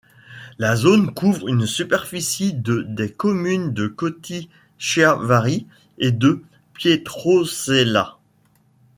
La zone couvre une superficie de des communes de Coti-Chiavari et de Pietrosella.